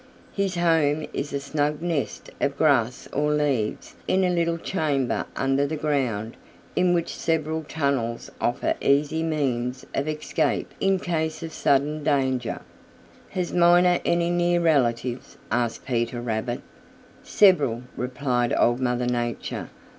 His home is a snug nest of grass or leaves in a little chamber under the ground in which several tunnels offer easy means of escape in case of sudden danger." "Has Miner any near relatives?" asked Peter Rabbit. "Several," replied Old Mother Nature.